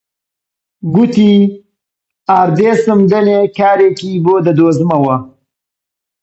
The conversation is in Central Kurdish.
گوتی: ئاردێسم دەنێ کارێکی بۆ دەدۆزمەوە